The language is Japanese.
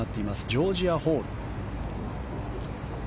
ジョージア・ホール。